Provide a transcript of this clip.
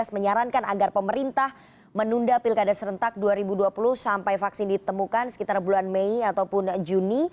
menyarankan agar pemerintah menunda pilkada serentak dua ribu dua puluh sampai vaksin ditemukan sekitar bulan mei ataupun juni